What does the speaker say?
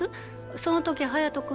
その時隼人君